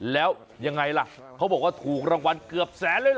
แล้วยังไงล่ะเขาบอกว่าถูกรางวัลเกือบแสนเลยเหรอ